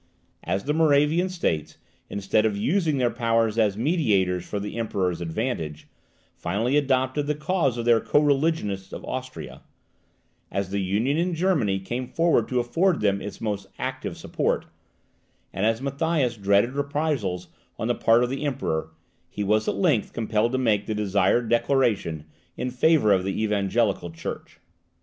As the Moravian States, instead of using their powers as mediators for the Emperor's advantage, finally adopted the cause of their co religionists of Austria; as the Union in Germany came forward to afford them its most active support, and as Matthias dreaded reprisals on the part of the Emperor, he was at length compelled to make the desired declaration in favour of the Evangelical Church.